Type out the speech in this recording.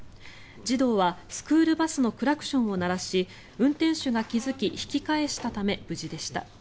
児童はスクールバスのクラクションを鳴らし運転手が気付き引き返したため無事でした。